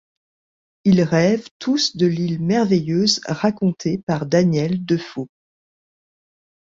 Ils rêvent tous de l'île merveilleuse racontée par Daniel Defoe.